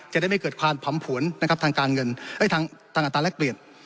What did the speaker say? จะได้ไม่เกิดความผลำผลทางอัตราแลกเปลี่ยน